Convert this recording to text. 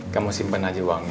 kamu simpan aja uangnya